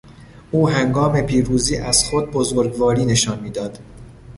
او هنگام پیروزی از خود بزرگواری نشان میداد.